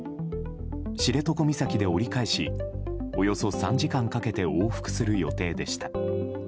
知床岬で折り返しおよそ３時間かけて往復する予定でした。